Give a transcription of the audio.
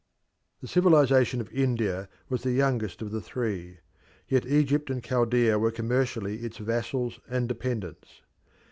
The civilisation of India was the youngest of the three, yet Egypt and Chaldea were commercially its vassals and dependents.